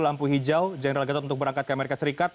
lampu hijau general gatot untuk berangkat ke amerika serikat